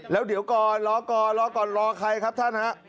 แล้วเดี๋ยวก่อนรอก่อนรอก่อนรอใครครับท่านฮะ